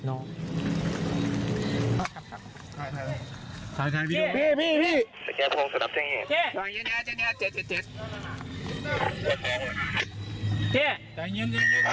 โอ้โฮคนลุกเลยว่ะ